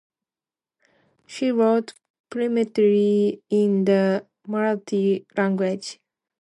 She wrote primarily in the Marathi language.